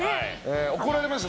怒られました